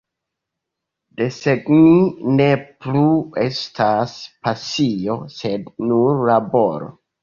Desegni ne plu estas pasio, sed nur laboro.